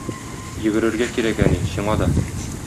Йөгерергә кирәк, әни, сиңа да!